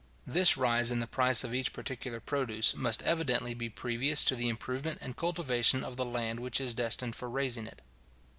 This rise in the price of each particular produce; must evidently be previous to the improvement and cultivation of the land which is destined for raising it.